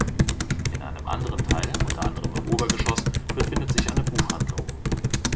In einem anderen Teil, unter anderem im Obergeschoss, befindet sich eine Buchhandlung.